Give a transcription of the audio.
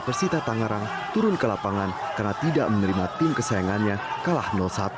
persita tangerang turun ke lapangan karena tidak menerima tim kesayangannya kalah satu